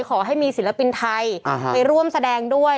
ขอให้มีศิลปินไทยไปร่วมแสดงด้วย